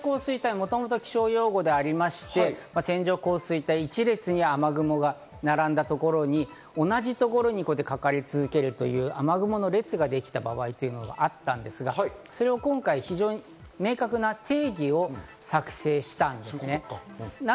もともと気象用語でありまして、線状降水帯、１列に雨雲が並んだところに、同じ所にかかり続けるという雨雲の列ができた場合というのがあったんですが、それを今回明確な定義を作成したんです。